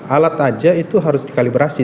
alat aja itu harus dikalibrasi